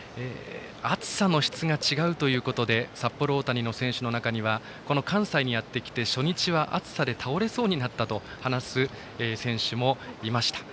暑さの質が違うということで札幌大谷の選手の中にはこの関西にやってきて初日は暑さで倒れそうになったと話す選手もいました。